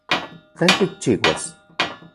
¿Tlen tikchiuas?